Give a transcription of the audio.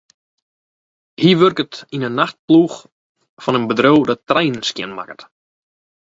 Hy wurket yn 'e nachtploech fan in bedriuw dat treinen skjinmakket.